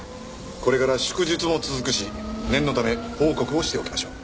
これから祝日も続くし念のため報告をしておきましょう。